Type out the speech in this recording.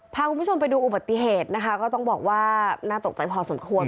พาคุณผู้ชมไปดูอุบัติเหตุนะคะก็ต้องบอกว่าน่าตกใจพอสมควร